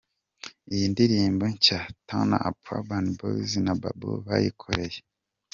Iyi ndirimbo nshya 'Turn Up' Urban Boys na Babo bayikoreye